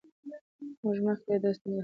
موږ مخکې دا ستونزه حل کړې وه.